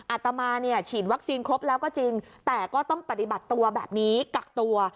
อาตมาเนี่ยฉีดวัคซีนครบแล้วก็จริงแต่ก็ต้องปฏิบัติตัวแบบนี้กักตัว